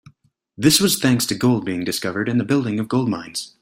This was thanks to gold being discovered and the building of gold mines.